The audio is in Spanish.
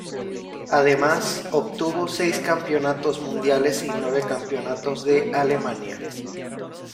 Además obtuvo seis Campeonatos Mundiales y nueve campeonatos de Alemania.